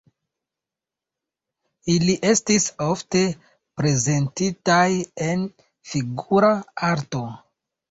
Ili estis ofte prezentitaj en figura arto.